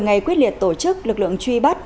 ngày quyết liệt tổ chức lực lượng truy bắt